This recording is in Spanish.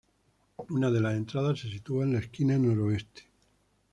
Una de las entradas se sitúa en la esquina noroeste.